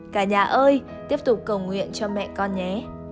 cả nhà ơi tiếp tục cầu nguyện cho mẹ con nhé